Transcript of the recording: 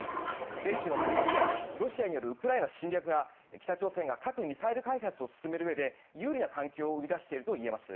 米中の対立やロシアのウクライナへの侵攻が北朝鮮が核・ミサイル開発を進めるうえで有利な環境を生み出していると言えます。